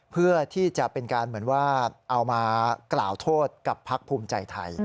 เพื่อที่จะเป็นการเหมือนว่าเอามากล่าวโทษกับพักภูมิใจไทย